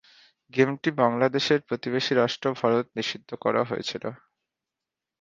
গেমটি বাংলাদেশের প্রতিবেশী রাষ্ট্র ভারত নিষিদ্ধ করা হয়েছিল।